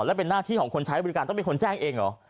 และเป็นหน้าที่ของคนใช้บริการต้องเป็นคนแจ้งเองเหรอ